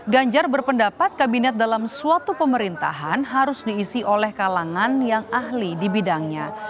ganjar berpendapat kabinet dalam suatu pemerintahan harus diisi oleh kalangan yang ahli di bidangnya